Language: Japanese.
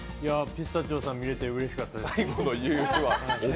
ピスタチオさん見れてうれしかったです。